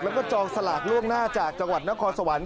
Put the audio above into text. แล้วก็จองสลากล่วงหน้าจากจังหวัดนครสวรรค์